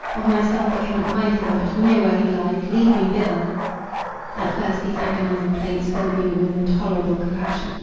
Of myself I cannot find him —but you know where he lies—lead me thither." At first these agonizing plaints filled me with intolerable compassion.